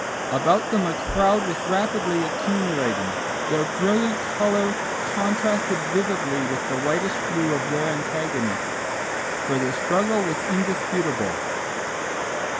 About them a crowd was rapidly accumulating. Their brilliant colour contrasted vividly with the whitish blue of their antagonists, for the struggle was indisputable.